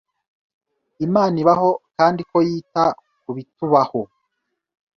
Imana ibaho kandi ko yita ku bitubaho